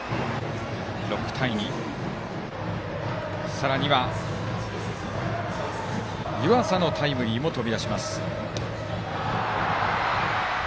さらには湯浅のタイムリーも飛び出します。